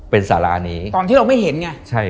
เป็นสารานี้ตอนที่เราไม่เห็นไง